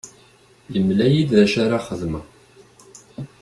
Yemla-iyi-d d acu ara xedmeɣ.